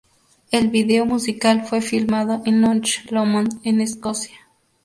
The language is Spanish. El vídeo musical fue filmado en Loch Lomond en Escocia.